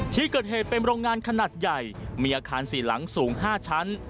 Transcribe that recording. ที่เกิดเหตุเป็นโรงงานขนาดใหญ่มีอาคาร๔หลังสูง๕ชั้น